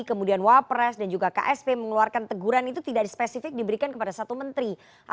kemudian wapres dan juga ksp mengeluarkan teguran itu tidak di spesifik diberikan kepada satu menteri